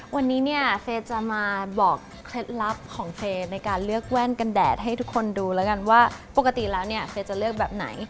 วันนี้เนี่ยเฟย์จะมาบอกเคล็ดลับของเฟย์ในการเลือกแว่นกันแดดให้ทุกคนดูแล้วกันว่าปกติแล้วเนี่ยเฟย์จะเลือกแบบไหน